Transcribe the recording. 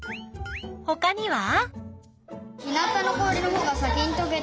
ほかには？